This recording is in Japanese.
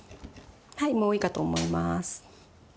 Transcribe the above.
はいもういいかと思います。